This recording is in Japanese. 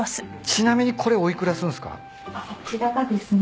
ちなみにこれお幾らするんすか？